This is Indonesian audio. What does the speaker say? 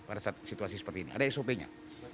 pada saat situasi seperti ini ada sop nya